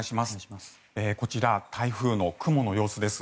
こちら台風の雲の様子です